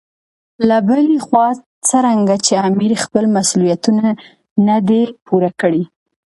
له بلې خوا څرنګه چې امیر خپل مسولیتونه نه دي پوره کړي.